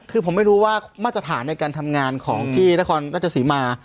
คือผมไม่รู้ว่ามาตรฐานในการทำงานของที่นครราชสีมา